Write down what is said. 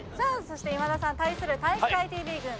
そして今田さん対する体育会ＴＶ軍